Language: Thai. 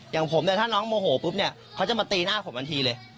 อย่างผมเนี่ยถ้าน้องโมโหปุ๊บเนี่ยเขาจะมาตีหน้าผมทันทีเลย